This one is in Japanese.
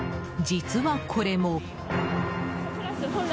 実はこれも。